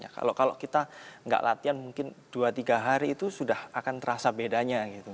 kalau kita nggak latihan mungkin dua tiga hari itu sudah akan terasa bedanya gitu